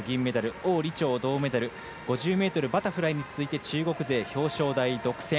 王李超、銅メダル５０ｍバタフライに続いて中国勢、表彰台独占。